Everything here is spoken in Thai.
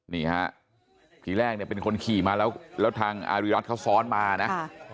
นี่ฮะทีแรกเนี่ยเป็นคนขี่มาแล้วแล้วทางอาริรัติเขาซ้อนมานะ